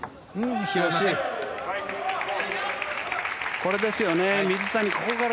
これですよね。